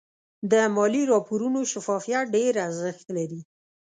د مالي راپورونو شفافیت ډېر ارزښت لري.